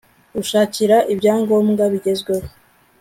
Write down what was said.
gushakira ibyangombwa bigezweho